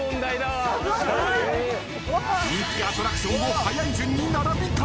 ［人気アトラクションを速い順に並び替え］